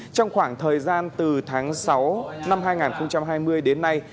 trong khoảng thời gian từ tháng sáu năm hai nghìn hai mươi đến nay